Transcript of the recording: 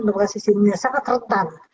memiliki sistem imun yang sangat retan